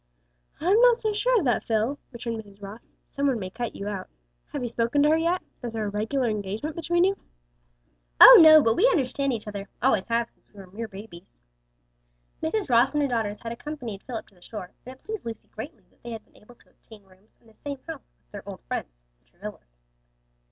"I'm not so sure of that, Phil," returned Mrs. Ross; "some one may cut you out. Have you spoken to her yet? Is there a regular engagement between you?" "Oh, no! but we understand each other; always have since we were mere babies." Mrs. Ross and her daughters had accompanied Philip to the shore, and it pleased Lucy greatly that they had been able to obtain rooms in the same house with their old friends, the Travillas.